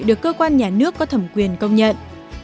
được cơ quan nhà nước có thẩm quyền công nhận